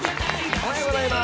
おはようございます。